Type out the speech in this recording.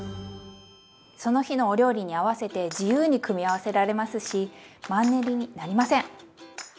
その日のお料理に合わせて自由に組み合わせられますしマンネリになりません！